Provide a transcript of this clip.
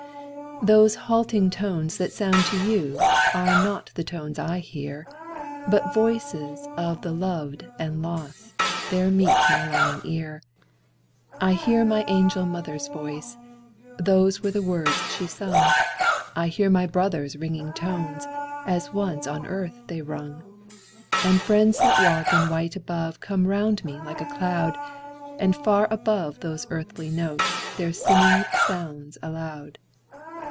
Those halting tones that sound to you, Are not the tones I hear; But voices of the loved and lost There meet my longing ear. I hear my angel mother's voice, Those were the words she sung; I hear my brother's ringing tones, As once on earth they rung; And friends that walk in white above Come round me like a cloud, And far above those earthly notes Their singing sounds aloud.